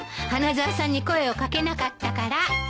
花沢さんに声を掛けなかったから。